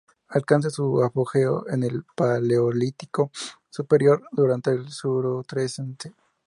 Alcanza su apogeo en el Paleolítico Superior, durante el Solutrense.